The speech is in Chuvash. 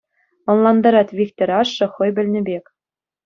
Ӑнлантарать Вихтӗр ашшӗ хӑй пӗлнӗ пек.